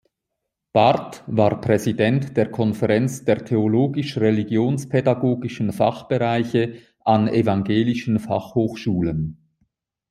Barth war Präsident der Konferenz der theologisch-religionspädagogischen Fachbereiche an Evangelischen Fachhochschulen.